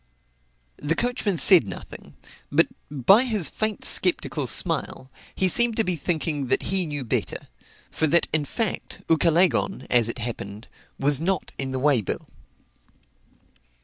The coachman said nothing, but, by his faint sceptical smile, he seemed to be thinking that he knew better; for that in fact, Ucalegon, as it happened, was not in the way bill.